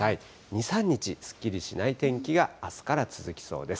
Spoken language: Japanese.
２、３日、すっきりしない天気があすから続きそうです。